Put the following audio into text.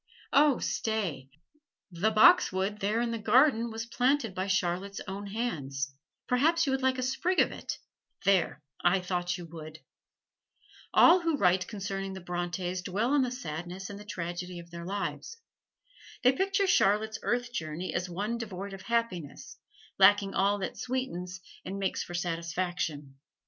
Oh, stay! the boxwood there in the garden was planted by Charlotte's own hands perhaps you would like a sprig of it there, I thought you would! All who write concerning the Brontes dwell on the sadness and the tragedy of their lives. They picture Charlotte's earth journey as one devoid of happiness, lacking all that sweetens and makes for satisfaction.